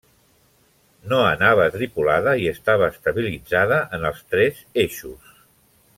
No anava tripulada, i estava estabilitzada en els tres eixos.